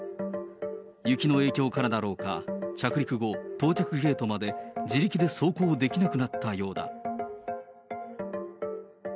雪の影響からだろうか、着陸後、到着ゲートまで自力で走行できなくなったようだ。